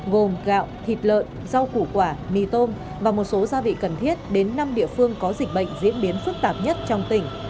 gồm gạo thịt lợn rau củ quả mì tôm và một số gia vị cần thiết đến năm địa phương có dịch bệnh diễn biến phức tạp nhất trong tỉnh